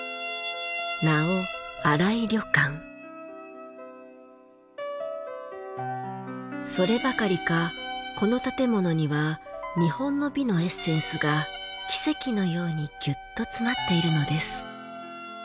名をそればかりかこの建物には日本の美のエッセンスが奇跡のようにギュッと詰まっているのです。